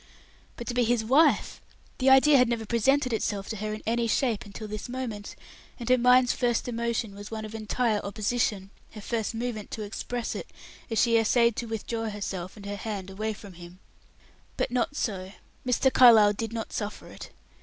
But to be his wife! the idea had never presented itself to her in any shape until this moment, and her mind's first emotion was one of entire opposition, her first movement to express it, as she essayed to withdraw herself and her hand away from him. But not so; Mr. Carlyle did not suffer it.